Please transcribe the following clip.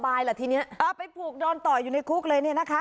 อ่าไปผูกนอนต่ออยู่ในคุกเลยเนี้ยนะคะ